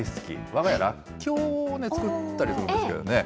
わが家、らっきょうをね、作ったりするんですけれどもね。